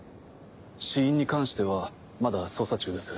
死因に関してはまだ捜査中です。